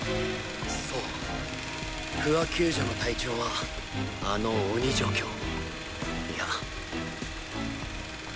そう不破救助の隊長はあの鬼助教いや